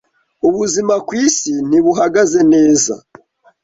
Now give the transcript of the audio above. ubuzima ku isi ntibuhagaze neza